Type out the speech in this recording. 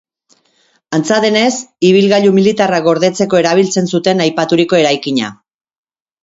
Antza denez, ibilgailu militarrak gordetzeko erabiltzen zuten aipaturiko eraikina.